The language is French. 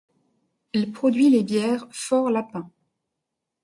Elle produit les bières Fort Lapin.